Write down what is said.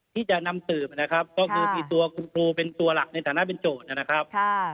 ที่จะนำสืบนะครับก็คือมีตัวคุณครูเป็นตัวหลักในฐานะเป็นโจทย์นะครับ